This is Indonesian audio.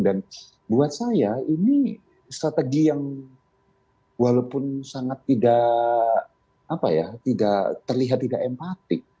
dan buat saya ini strategi yang walaupun sangat tidak apa ya tidak terlihat tidak empatik